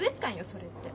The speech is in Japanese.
それって。